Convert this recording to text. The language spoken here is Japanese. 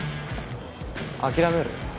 諦める？